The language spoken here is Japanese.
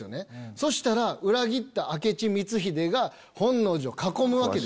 そしたら裏切った明智光秀が本能寺を囲むわけです。